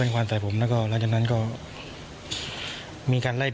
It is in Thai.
ส่งไว้รถสิบประตูแล้วเราจับขนาดสะดองสุดเราไม่ว่า